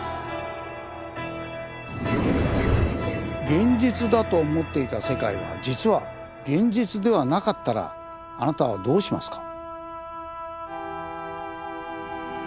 現実だと思っていた世界が実は現実ではなかったらあなたはどうしますか？